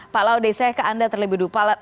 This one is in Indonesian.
pak laude saya ke anda terlebih dulu